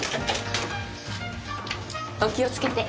お気をつけて。